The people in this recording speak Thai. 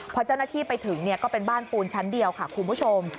พอเจ้าหน้าที่ไปถึงก็เป็นบ้านปูนชั้นเดียวค่ะคุณผู้ชม